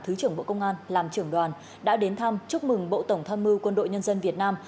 thứ trưởng bộ công an làm trưởng đoàn đã đến thăm chúc mừng bộ tổng tham mưu quân đội nhân dân việt nam